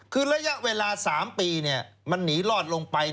คือระยะเวลา๓ปีมันหนีรอดลงไป